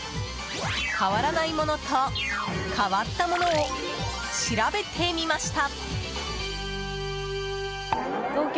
変わらないものと変わったものを調べてみました。